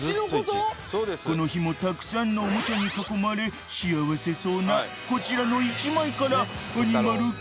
［この日もたくさんのおもちゃに囲まれ幸せそうなこちらの１枚から］